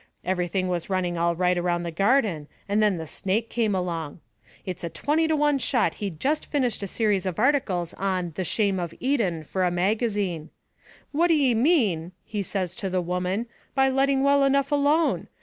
Everything was running all right around the garden, and then the snake came along. It's a twenty to one shot he'd just finished a series of articles on 'The Shame of Eden' for a magazine. 'What d'ye mean?' he says to the woman, 'by letting well enough alone?